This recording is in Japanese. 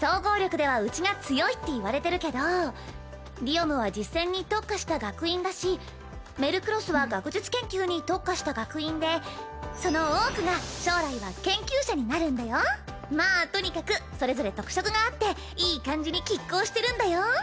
総合力ではうちが強いっていわれてるけどディオムは実戦に特化した学院だしメルクロスは学術研究に特化した学院でその多くが将来は研究者になるんだよまあとにかくそれぞれ特色があっていい感じにきっ抗してるんだよ